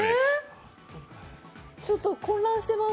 ちょっと混乱してます。